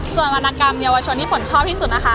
ส่วนวรรณกรรมเยาวชนที่ฝนชอบที่สุดนะคะ